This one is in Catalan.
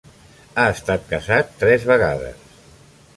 Ha estat casat tres vegades.